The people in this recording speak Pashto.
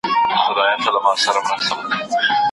پر کیسو یې ساندي اوري د پېړیو جنازې دي